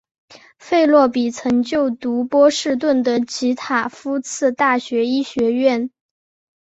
费洛比曾就读波士顿的及塔夫茨大学医学院。